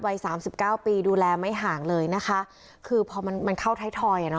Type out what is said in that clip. สามสิบเก้าปีดูแลไม่ห่างเลยนะคะคือพอมันมันเข้าไทยทอยอ่ะเนอ